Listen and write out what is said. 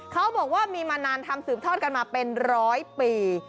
เขาบอกว่ามีมานานทำสืบทอดกันมาเป็นร้อยปี